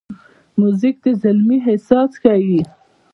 موزیک د زلمي احساس ښيي.